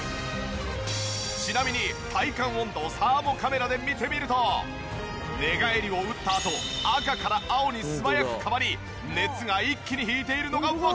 ちなみに体感温度をサーモカメラで見てみると寝返りを打ったあと赤から青に素早く変わり熱が一気に引いているのがわかります。